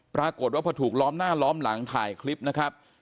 ปรากฏว่าพอถูกล้อมหน้าล้อมหลังถ่ายคลิปนะครับ